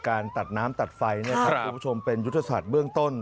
การตัดน้ำตัดไฟนะครับคุณผู้ชมเป็นยุทธศาสตร์เบื้องต้น